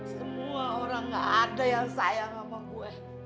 semua orang nggak ada yang sayang sama gue